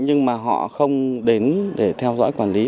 nhưng mà họ không đến để theo dõi quản lý